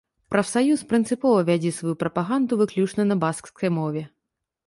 Прафсаюз прынцыпова вядзе сваю прапаганду выключна на баскскай мове.